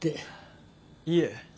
いえ。